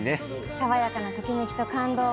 爽やかなときめきと感動を。